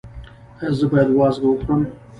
ایا زه باید وازګه وخورم؟